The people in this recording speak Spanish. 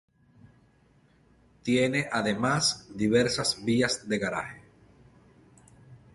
Tiene además diversas vías de garaje.